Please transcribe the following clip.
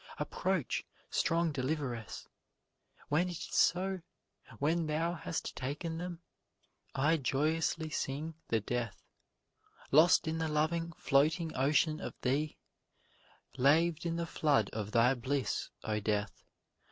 Approach, strong deliveress, When it is so, when thou hast taken them I joyously sing the death, Lost in the loving, floating ocean of thee, Laved in the flood of thy bliss, O Death.